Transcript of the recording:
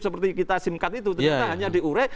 seperti kita simkat itu ternyata hanya diure